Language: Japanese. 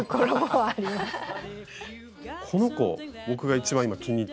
この子僕が一番今気に入ってる。